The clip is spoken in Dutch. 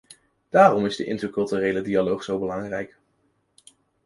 Daarom is de interculturele dialoog zo belangrijk.